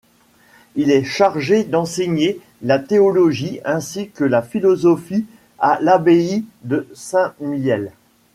Il est chargé d'enseigner la théologie ainsi que la philosophie à l'abbaye de Saint-Mihiel.